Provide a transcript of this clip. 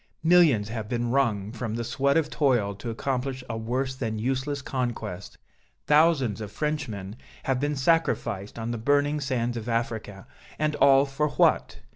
Millions have been wrung from the sweat of toil to accomplish a worse than useless conquest, thousands of Frenchmen have been sacrificed on the burning sands of Africa, and all for what?